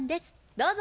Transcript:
どうぞ。